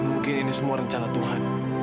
mungkin ini semua rencana tuhan